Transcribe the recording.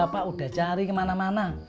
bapak udah cari kemana mana